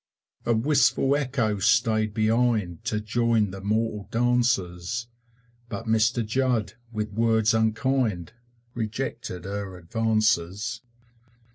A wistful Echo stayed behind To join the mortal dances, But Mr Judd, with words unkind, Rejected her advances.